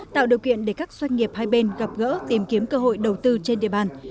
tạo điều kiện để các doanh nghiệp hai bên gặp gỡ tìm kiếm cơ hội đầu tư trên địa bàn